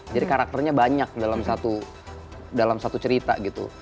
jadi karakternya banyak dalam satu cerita gitu